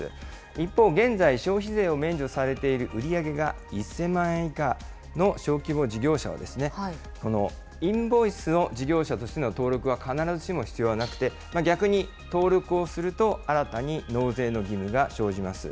一方、現在、消費税を免除されている売り上げが１０００万円以下の小規模事業者は、このインボイスの事業者としての登録は必ずしも必要はなくて、逆に登録をすると、新たに納税の義務が生じます。